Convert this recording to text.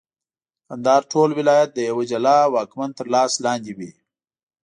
کندهار ټول ولایت د یوه جلا واکمن تر لاس لاندي وي.